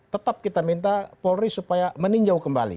tetap kita minta polri supaya meninjau kembali